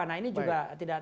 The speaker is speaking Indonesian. nah ini juga tidak